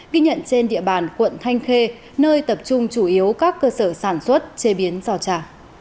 ghi nhận trên địa bàn quận thanh khê nơi tập trung chủ yếu các cơ sở sản xuất chế biến giò trà